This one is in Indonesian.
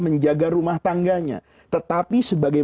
menjaga rumah tangganya tetapi sebagai